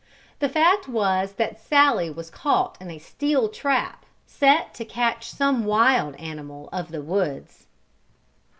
The fact was that Sallie was caught in a steel trap, set to catch some wild animal of the woods.